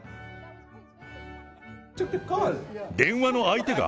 電話の相手が？